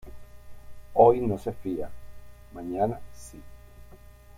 Hoy no se fía, mañana sí